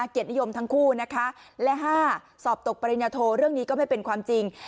เกียรตินิยมทั้งคู่นะคะและ๕สอบตกปริญญาโทเรื่องนี้ก็ไม่เป็นความจริง